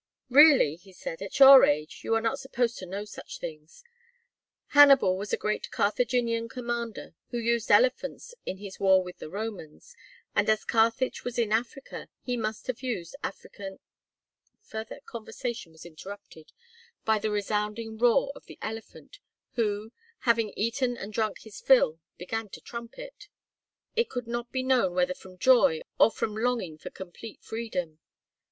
"Really," he said, "at your age, you are not supposed to know such things. Hannibal was a great Carthaginian commander, who used elephants in his war with the Romans, and as Carthage was in Africa, he must have used African " Further conversation was interrupted by the resounding roar of the elephant, who, having eaten and drunk his fill, began to trumpet; it could not be known whether from joy or from longing for complete freedom.